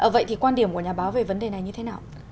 vậy thì quan điểm của nhà báo về vấn đề này như thế nào